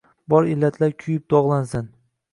Bor illatlar kuyib-dogʼlansin.